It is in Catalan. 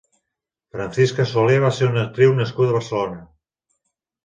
Francisca Soler va ser una actriu nascuda a Barcelona.